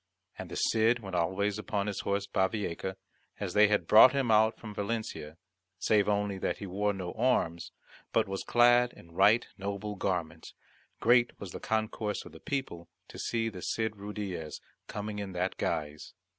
And the Cid went alway upon his horse Bavieca, as they had brought him out from Valencia, save only that he wore no arms, but was clad in right noble garments, Great was the concourse of people to see the Cid Ruydiez coming in that guise.